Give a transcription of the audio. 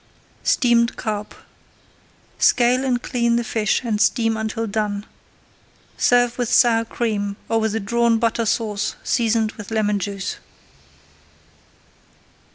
STEAMED CARP Scale and clean the fish and steam until done. Serve with sour cream or with a Drawn Butter Sauce seasoned with lemon juice.